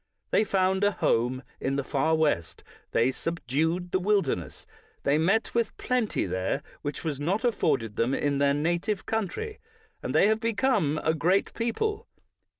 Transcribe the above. They found a home in the Far West; they subdued the wilderness: they met with plenty there, which was not afforded them in their native country; and they have be come a great people.